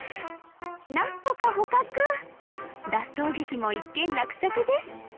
なんとか捕獲脱走劇も一件落着です